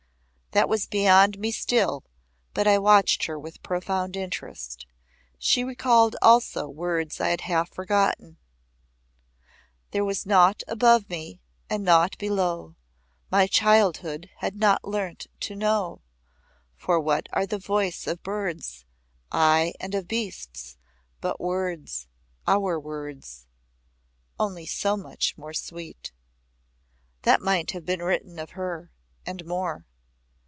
That was beyond me still, but I watched her with profound interest. She recalled also words I had half forgotten "There was nought above me and nought below, My childhood had not learnt to know; For what are the voices of birds, Aye, and of beasts, but words, our words, Only so much more sweet." That might have been written of her. And more.